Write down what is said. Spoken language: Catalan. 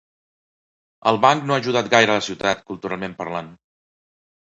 El Banc no ha ajudat gaire a la ciutat, culturalment parlant